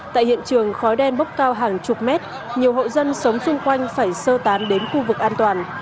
tại hiện trường khói đen bốc cao hàng chục mét nhiều hộ dân sống xung quanh phải sơ tán đến khu vực an toàn